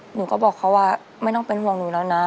หนูก็บอกเขาว่าไม่ต้องเป็นห่วงหนูแล้วนะ